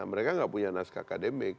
mereka nggak punya naskah akademik